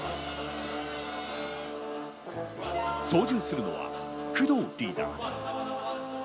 操縦するのは工藤リーダー。